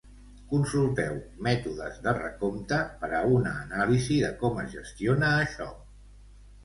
Consulteu "Mètodes de recompte" per a una anàlisi de com es gestiona això.